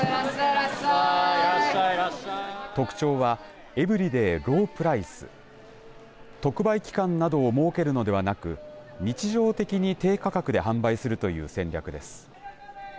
特徴はエブリデー・ロープライス特売期間などを設けるのではなく日常的に低価格で販売するという戦略です。